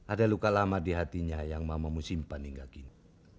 ada luka lama di hatinya yang mamamu simpan hingga kini